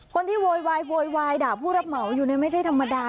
คนที่วอยวายวอยวายด่าผู้รับเมาอยู่ในไม่ใช่ธรรมดา